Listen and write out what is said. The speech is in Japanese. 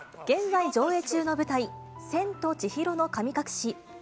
現在、上映中の舞台、千と千尋の神隠し。